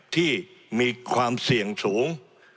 ที่มีความเสี่ยงสูง